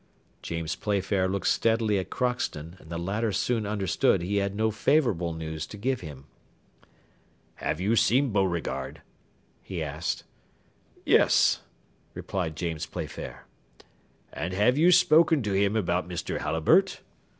James Playfair looked steadily at Crockston, and the latter soon understood he had no favourable news to give him. "Have you seen Beauregard?" he asked. "Yes," replied James Playfair. "And have you spoken to him about Mr. Halliburtt?"